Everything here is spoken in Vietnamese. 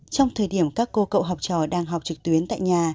trong thời điểm các cô cậu học trò đang học trực tuyến tại nhà